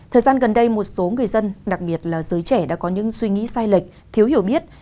thời gian gần đây một số người dân đặc biệt là giới trẻ đã có những suy nghĩ sai lệch thiếu hiểu biết